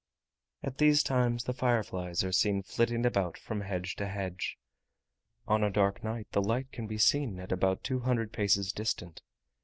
At these times the fireflies are seen flitting about from hedge to hedge. On a dark night the light can be seen at about two hundred paces distant.